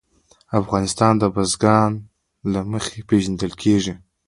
افغانستان د بزګان له مخې پېژندل کېږي.